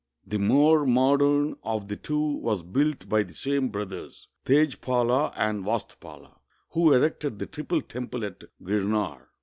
"The more modern of the two was built by the same brothers, Tejpala and Vastupala, who erected the triple temple at Girnar.